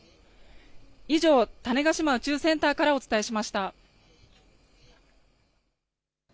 以上、種子島宇宙センターからお伝えしました。